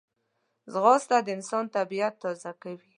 ځغاسته د انسان طبیعت تازه کوي